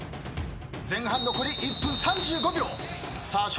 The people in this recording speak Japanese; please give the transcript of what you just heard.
前半残り１分３５秒。笑